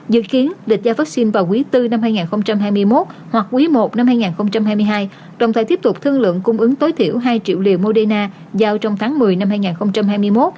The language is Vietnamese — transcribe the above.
dự kiến lịch gia vaccine vào quý bốn năm hai nghìn hai mươi một hoặc quý i năm hai nghìn hai mươi hai đồng thời tiếp tục thương lượng cung ứng tối thiểu hai triệu liều moderna giao trong tháng một mươi năm hai nghìn hai mươi một